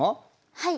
はい。